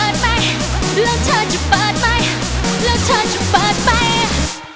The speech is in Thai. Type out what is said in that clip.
แล้วเธอจะเปิดไหม